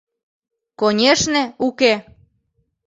— Конешне, уке!